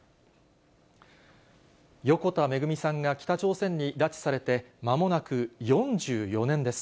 横田めぐみさんが北朝鮮に拉致されて、まもなく４４年です。